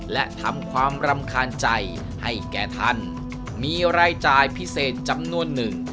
และทำความรำคาญใจให้แก่ท่านมีรายจ่ายพิเศษจำนวนหนึ่ง